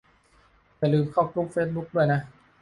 อย่าลืมเข้ากรุ๊ปเฟซบุ๊กด้วยนะ